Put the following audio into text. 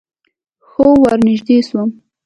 ښه ورنژدې سوم.